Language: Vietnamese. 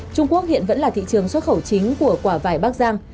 trung quốc hiện vẫn là thị trường xuất khẩu chính của quả vải bắc giang